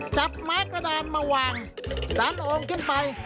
จับไม้กระดานมาวางดันโอ่งขึ้นไป